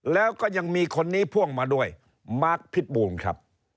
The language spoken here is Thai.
แล้วก็ยังมีคนนี้พ่วงมาด้วยมาร์คพิษบูรณ์ครับ